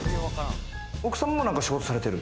奥様も何か仕事されている？